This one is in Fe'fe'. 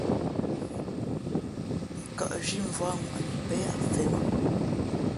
N kαʼzhī mvǎk ŋwαʼni pen yáʼ fen lά.